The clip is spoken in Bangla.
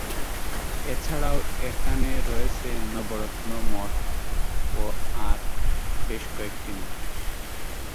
এছাড়াও এখানে রয়েছে নবরত্ন মঠ ও আর বেশ কয়েকটি মঠ।